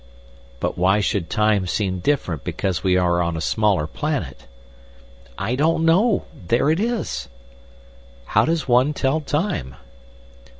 "But why should time seem different because we are on a smaller planet?" "I don't know. There it is!" "How does one tell time?"